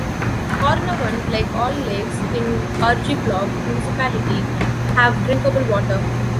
Hornavan, like all lakes in Arjeplog Municipality, have drinkable water.